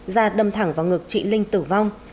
ra đâm thẳng vào ngực chị linh tử vong